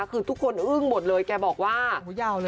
คือทุกคนอึ้งหมดเลยแกบอกว่ายาวเลย